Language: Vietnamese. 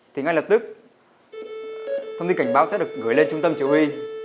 thì ngay lập tức thông tin cảnh báo sẽ được gửi lên trung tâm chỉ huy